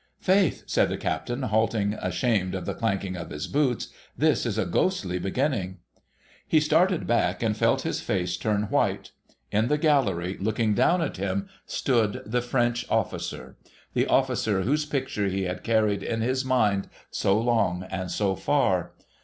' Faith,' said the Captain halting, ashamed of the clanking of his boots, ' this is a ghostly beginning 1 ' He started back, and felt his face turn white. In the gallery, looking down at him, stood the French officer — the officer whose picture he had carried in his mind so long and so far.